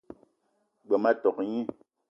G-beu ma tok gni.